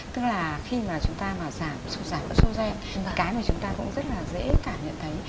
tức là khi mà chúng ta mà giảm số gian cái mà chúng ta cũng rất là dễ cảm nhận thấy